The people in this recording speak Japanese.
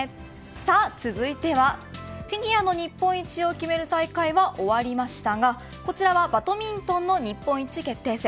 さあ続いてはフィギュアの日本一を決める大会は終わりましたがこちらはバドミントンの日本一決定戦。